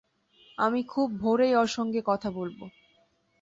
আমি খুব ভোরেই ওঁর সঙ্গে কথা বলব।